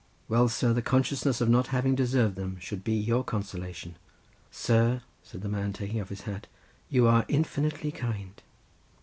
Well, sir, the consciousness of not having deserved them should be your consolation." "Sir," said the doctor, taking off his hat, "you are infinitely kind."